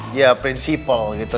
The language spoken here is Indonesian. ya prinsipal gitu